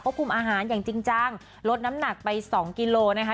ก็คุมอาหารอย่างจริงลดน้ำหนักไป๒กิโลกรัมนะคะ